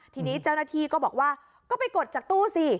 ทีนี้เจ้าหน้าที่ก็บอกว่าก็ไปกดจากตู้สิ